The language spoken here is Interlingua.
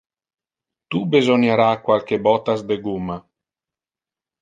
Tu besoniara qualque bottas de gumma.